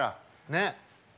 ねっ。